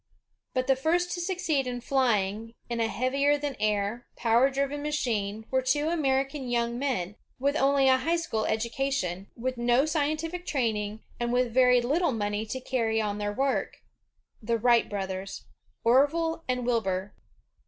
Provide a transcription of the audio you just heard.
But the first to succeed in flying in a heavier than air, power driven machine were two Amer ican young men, with only a high school education, with no scientific training, and with very little money to carry on their work, — the Wright brothers, Orville and Wilbur.